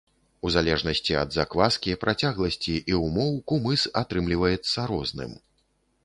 У залежнасці ад закваскі, працягласці і ўмоў кумыс атрымліваецца розным.